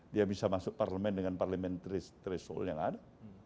dia bisa masuk parlement dengan parlementaris soalnya yang ada